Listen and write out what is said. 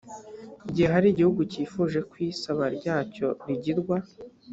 igihe hari igihugu cyifuje ko isaba ryacyo rigirwa